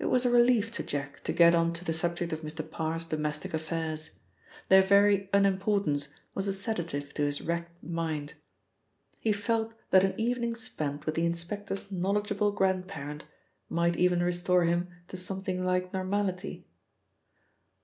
It was a relief to Jack to get on to the subject of Mr. Parr's domestic affairs. Their very unimportance was a sedative to his racked mind. He felt that an evening spent with the inspector's knowledgeable grandparent might even restore him to something like normality.